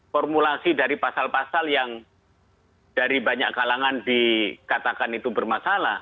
formulasi dari pasal pasal yang dari banyak kalangan dikatakan itu bermasalah